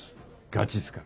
ガチっすか。